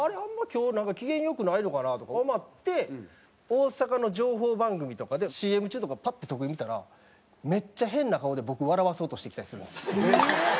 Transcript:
今日なんか機嫌良くないのかなとか思って大阪の情報番組とかでＣＭ中とかパッて徳井見たらめっちゃ変な顔で僕笑わそうとしてきたりするんですよ。